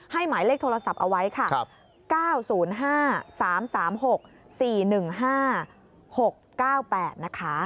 หมายเลขโทรศัพท์เอาไว้ค่ะ๙๐๕๓๓๖๔๑๕๖๙๘นะคะ